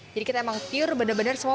jadi kita emang pure benar benar semua pake